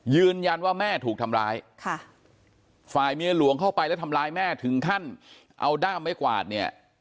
ยืนยันว่าแม่ถูกทำร้ายค่ะฝ่ายเมียหลวงเข้าไปแล้วทำร้ายแม่ถึงขั้นเอาด้ามไม้กวาดเนี่ย